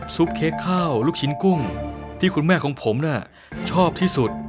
เค้กข้าวลูกชิ้นกุ้งที่คุณแม่ของผมชอบที่สุด